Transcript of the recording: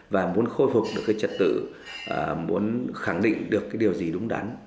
và muốn khôi phục được cái trật tự muốn khẳng định được cái điều gì đúng đắn